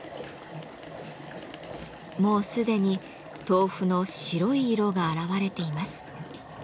もう既に豆腐の白い色が現れています。